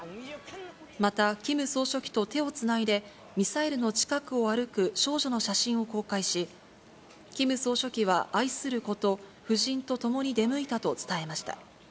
また、キム総書記と手をつないでミサイルの近くを歩く少女の写真を公開し、キム総書記は愛する子と夫人と共に出向いたと伝えました。